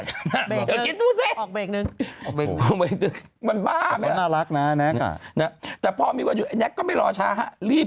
เดี๋ยวจิ๊ดดูสิออกไปอีกนึงมันบ้าไหมครับแต่พ่อมีวันอยู่แน็กก็ไม่รอช้าครับ